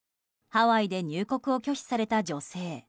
ハワイで入国を拒否された女性。